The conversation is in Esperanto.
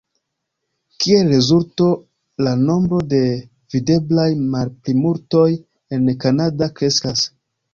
Kiel rezulto la nombro de videblaj malplimultoj en Kanada kreskas.